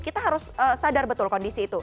kita harus sadar betul kondisi itu